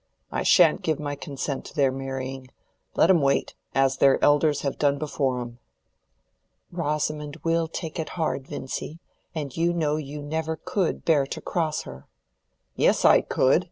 I shan't give my consent to their marrying. Let 'em wait, as their elders have done before 'em." "Rosamond will take it hard, Vincy, and you know you never could bear to cross her." "Yes, I could.